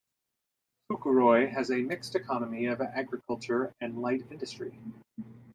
Fukuroi has a mixed economy of agriculture and light industry.